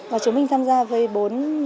và chúng mình tham gia với bốn tiết mục